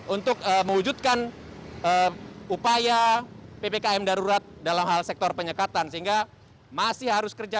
untuk mewujudkan upaya ppkm darurat dalam hal sektor penyekatan sehingga masih harus kerja